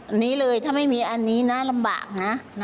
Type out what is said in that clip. อันนี้เลยถ้าไม่มีอันนี้นะลำบากนะ